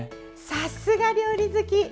さすが料理好き！